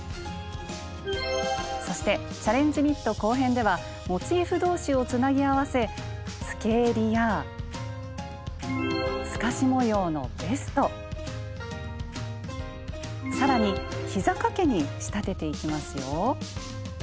そして「チャレンジニット」後編ではモチーフ同士をつなぎ合わせつけえりや透かし模様のベスト更にひざかけに仕立てていきますよ！